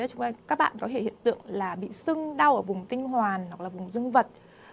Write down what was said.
các bạn có thể hiện tượng là bị sưng đau ở vùng tinh hoàn hoặc là vùng dương vật